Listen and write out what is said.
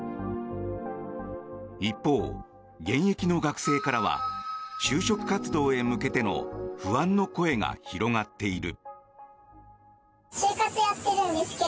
一方、現役の学生からは就職活動へ向けての不安の声が広がっている。